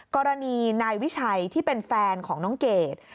กรณีนายวิชัยที่เป็นแฟนของน้องเกด